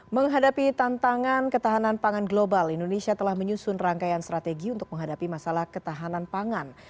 menghadapi tantangan ketahanan pangan global indonesia telah menyusun rangkaian strategi untuk menghadapi masalah ketahanan pangan